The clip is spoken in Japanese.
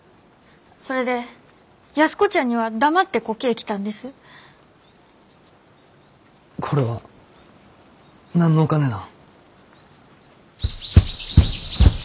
それで安子ちゃんには黙ってこけえ来たんです。これは何のお金なん？